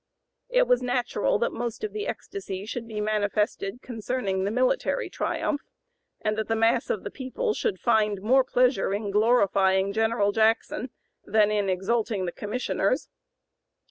It was natural that most of the ecstasy should be manifested concerning the military triumph, and that the mass of the people should find more pleasure in glorifying General Jackson than in exalting the Commissioners.